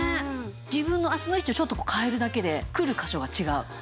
自分の脚の位置をちょっと変えるだけでくる箇所が違う。